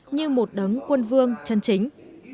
như một đấng quân vương chân chính